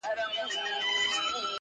داسي نه كيږي چي اوونـــۍ كې گـــورم_